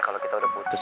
kalo kita udah putus